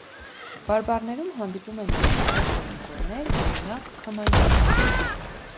Բարբառներում հանդիպում են նաև այլ ձայնավորներ (օրինակ՝ քմայնացած)։